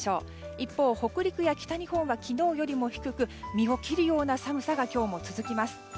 一方、北陸や北日本は昨日よりも低く身を切るような寒さが今日も続きます。